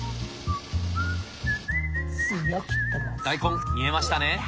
大根煮えましたね！